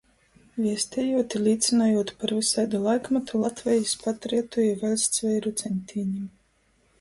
Viestejūt i līcynojūt par vysaidu laikmatu Latvejis patriotu i vaļstsveiru ceņtīnim,